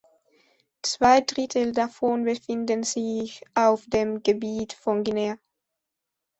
Zwei Drittel davon befinden sich auf dem Gebiet von Guinea.